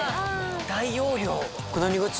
大容量！